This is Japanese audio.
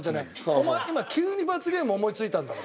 お前今急に罰ゲーム思いついたんだろ？